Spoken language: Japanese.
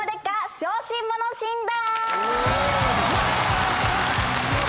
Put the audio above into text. ⁉小心者診断！